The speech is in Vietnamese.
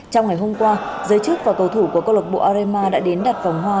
trong ngày hôm qua giới chức và cầu thủ của cơ lộc bộ arema đã đến đặt vòng hoa